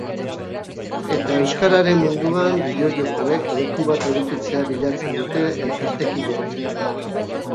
eta euskararen munduan bideojokoek leku bat edukitzea bilatzen dute elkartekideek